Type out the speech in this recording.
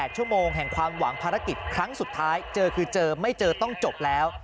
ชั่วโมงแห่งความหวังภารกิจครั้งสุดท้ายเจอคือเจอไม่เจอต้องจบแล้ว